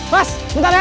mas sebentar ya